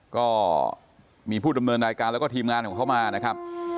ก็มีผู้ดำเนินรายการแล้วก็ทีมงานของเขามานะครับ